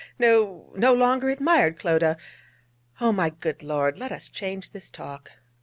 ha! no no longer admired, Clodagh! Oh, my good Lord! let us change this talk....'